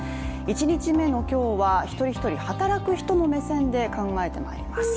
１日目の今日は一人一人、働く人の目線で考えてまいります。